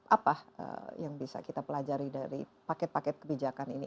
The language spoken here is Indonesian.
apa yang bisa kita pelajari dari paket paket kebijakan ini